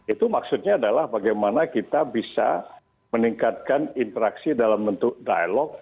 itu maksudnya adalah bagaimana kita bisa meningkatkan interaksi dalam bentuk dialog